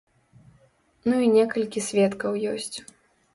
Ну і некалькі сведкаў ёсць.